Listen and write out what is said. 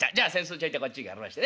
ちょいとこっちへ借りましてね。